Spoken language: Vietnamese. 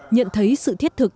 nhận thấy sự thiết thực